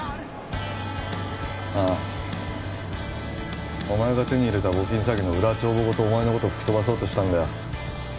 ああお前が手に入れた募金詐欺の裏帳簿ごとお前のこと吹き飛ばそうとしたんだよ